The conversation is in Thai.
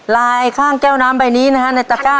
ลายข้างแก้วน้ำใบนี้ในตระก้า